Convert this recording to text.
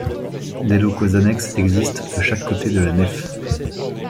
Des locaux annexes existent de chaque côté de la nef.